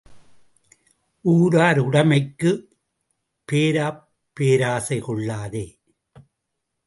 ஊரார் உடைமைக்குப் பேராப் பேராசை கொள்ளாதே.